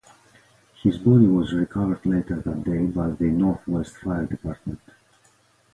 His body was recovered later that day by the Northwest Fire Department.